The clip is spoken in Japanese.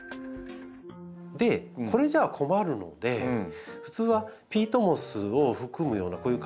でこれじゃ困るので普通はピートモスを含むようなこういう軽い培養土はですね